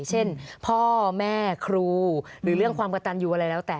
เช่นพ่อแม่ครูหรือเรื่องความกระตันอยู่อะไรแล้วแต่